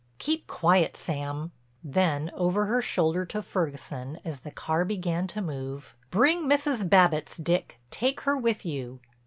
"Keep quiet, Sam," then over her shoulder to Ferguson as the car began to move, "Bring Mrs. Babbitts, Dick. Take her with you."